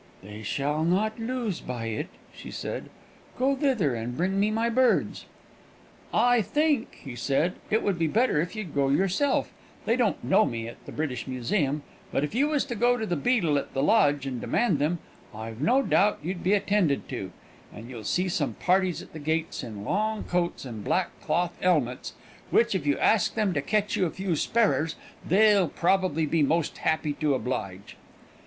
"They shall not lose by it," she said. "Go thither, and bring me my birds." "I think," he said, "it would be better if you'd go yourself; they don't know me at the British Museum. But if you was to go to the beadle at the lodge and demand them, I've no doubt you'd be attended to; and you'll see some parties at the gates in long coats and black cloth 'elmets, which if you ask them to ketch you a few sparrers, they'll probably be most happy to oblige."